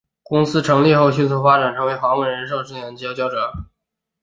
公司成立后迅速发展成为韩国人寿险市场的佼佼者。